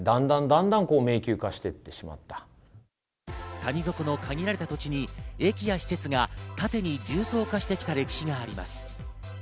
谷底の限られた土地に駅や施設が縦に重層化してきた歴史があります。